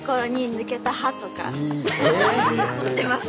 持ってます